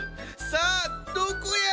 さあどこや？